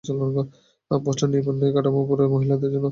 প্রশ্ন নিয়মের নয়, কামাঠিপুরার মহিলাদের জীবনের।